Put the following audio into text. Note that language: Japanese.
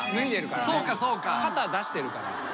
肩出してるから。